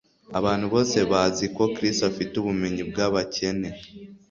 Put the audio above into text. Abantu bose bazi ko Chris afite ubumenyi bwabakene